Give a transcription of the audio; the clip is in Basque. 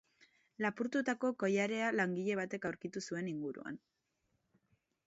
Lapurtutako koilarea langile batek aurkitu zuen inguruan.